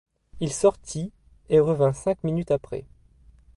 Il sortit, et revint cinq minutes après.